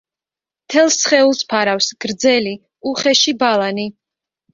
მთელ სხეულს ფარავს გრძელი, უხეში ბალანი.